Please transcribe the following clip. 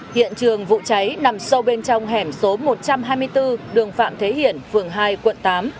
hiện trường vụ cháy nằm sâu bên trong hẻm số một trăm hai mươi bốn đường phạm thế hiển phường hai quận tám